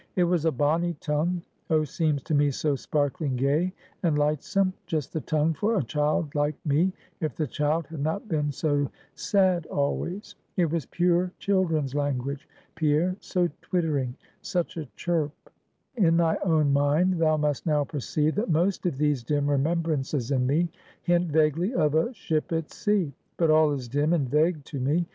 It was a bonny tongue; oh, seems to me so sparkling gay and lightsome; just the tongue for a child like me, if the child had not been so sad always. It was pure children's language, Pierre; so twittering such a chirp. "In thy own mind, thou must now perceive, that most of these dim remembrances in me, hint vaguely of a ship at sea. But all is dim and vague to me.